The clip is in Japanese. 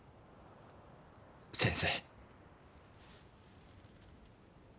先生。